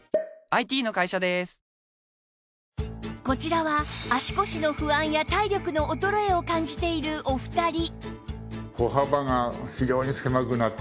こちらは足腰の不安や体力の衰えを感じているお二人